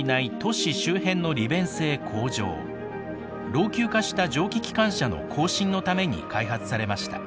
老朽化した蒸気機関車の更新のために開発されました。